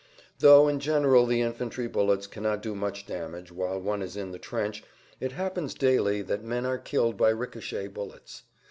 Though in general the infantry bullets cannot do much damage while one is in the trench it happens daily that men are killed by ricochet bullets.